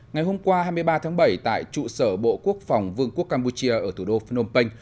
ngày hôm qua hai mươi ba tháng bảy tại trụ sở bộ quốc phòng vương quốc campuchia ở thủ đô phnom penh